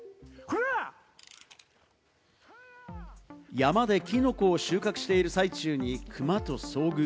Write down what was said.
山でキノコを収穫している最中にクマと遭遇。